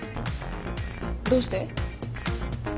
どうして？